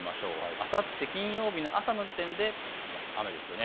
あさって金曜日の朝の時点で雨ですよね。